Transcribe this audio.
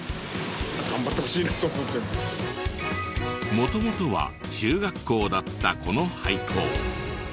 元々は中学校だったこの廃校。